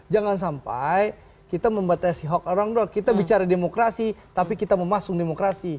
jangan sampai kita membatasi hak orang doa kita bicara demokrasi tapi kita memasung demokrasi